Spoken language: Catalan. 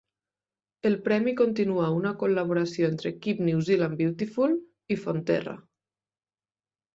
El premi continua una col·laboració entre Keep New Zealand Beautiful i Fonterra.